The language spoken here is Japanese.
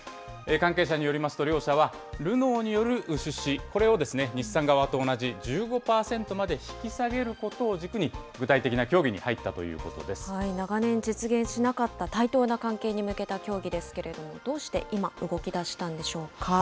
関係者によりますと、両社は、ルノーによる出資、これを日産側と同じ１５％まで引き下げることを軸に、具体的な協議に入ったとい長年実現しなかった対等な関係に向けた協議ですけれども、どうして今、動きだしたんでしょう